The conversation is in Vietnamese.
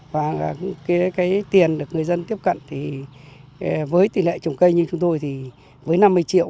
và cái tiền được người dân tiếp cận thì với tỷ lệ trồng cây như chúng tôi thì với năm mươi triệu